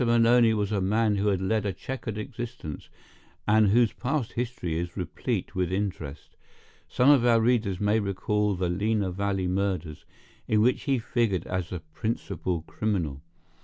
Maloney was a man who had led a checkered existence, and whose past history is replete with interest. Some of our readers may recall the Lena Valley murders, in which he figured as the principal criminal.